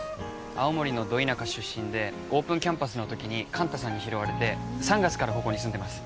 青森のド田舎出身でオープンキャンパスの時に寛太さんに拾われて３月からここに住んでます